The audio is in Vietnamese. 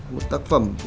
một tác phẩm